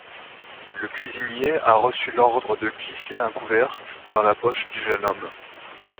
Le cuisinier a reçu l'ordre de glisser un couvert dans la poche du jeune homme.